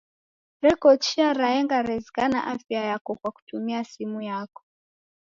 Reko chia raenga rezighana afya yako kwa kutumia simu yako.